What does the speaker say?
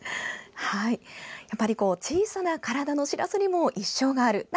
やっぱり小さな体のしらすにも一生がある。